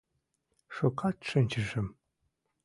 Шукат шинчышым.